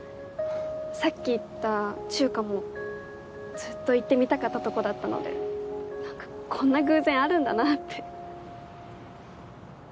さっき行った中華もずっと行ってみたかったとこだったので何かこんな偶然あるんだなって。